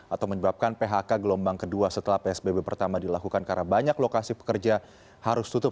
atau menyebabkan phk gelombang kedua setelah psbb pertama dilakukan karena banyak lokasi pekerja harus tutup